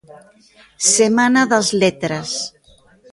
"Semana das letras".